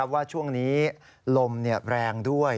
ว่าช่วงนี้ลมแรงด้วย